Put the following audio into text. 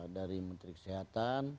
dari menteri kesehatan